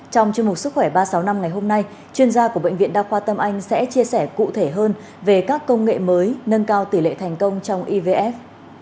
trong chương mục sức khỏe ba trăm sáu mươi năm ngày hôm nay chuyên gia của bệnh viện đa khoa tâm anh sẽ chia sẻ cụ thể hơn về các công nghệ mới nâng cao tỷ lệ thành công trong ivf